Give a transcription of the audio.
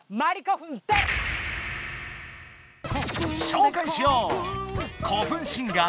しょうかいしよう！